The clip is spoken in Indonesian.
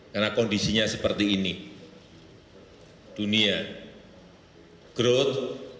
karena kondisinya seperti ini dunia growth